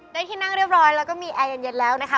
ได้ที่นั่งเรียบร้อยแล้วก็มีแอร์เย็นแล้วนะคะ